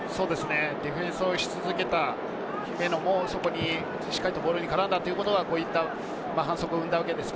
ディフェンスをし続けた、そして、しっかりボールに絡んだことがこういった反則を生んだわけです。